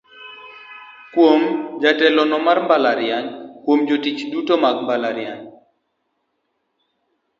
Kuom: Jatelono mar mbalariany Kuom: Jotich duto mag mbalariany.